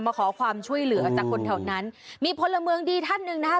มาขอความช่วยเหลือจากคนแถวนั้นมีพลเมืองดีท่านหนึ่งนะคะ